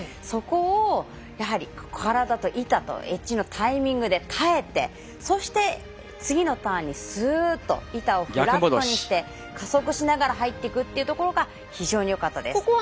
そこを、やはり体と板とエッジのタイミングで耐えてそして、次のターンにすうっと板をフラットにして加速しながら入っていくというところが非常によかったです。